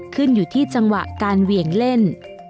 ขึ้นอยู่ที่จังหวะการเหวี่ยงเล่น